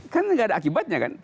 kan tidak ada akibatnya kan